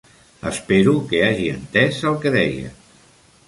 Espero que hagi entès el que deia.